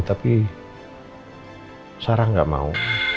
tapi sarah gak mau